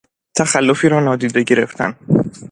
تخلفی را نادیده گرفتن